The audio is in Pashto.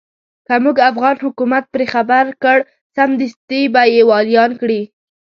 که موږ افغان حکومت پرې خبر کړ سمدستي به يې واليان کړي.